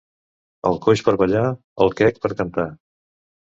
El coix per ballar, el quec per cantar.